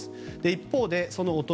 一方で、そのお隣。